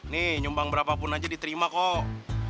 nih nyumbang berapapun aja diterima kok